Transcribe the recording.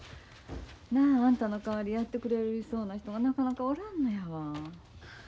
なああんたの代わりやってくれそうな人がなかなかおらんのやわ。